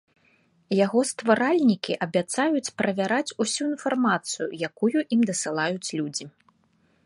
Яго стваральнікі абяцаюць правяраць усю інфармацыю, якую ім дасылаюць людзі.